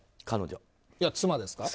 彼女。